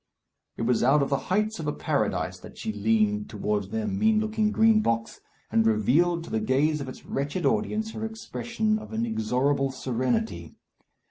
It was out of the heights of a Paradise that she leant towards their mean looking Green Box, and revealed to the gaze of its wretched audience her expression of inexorable serenity.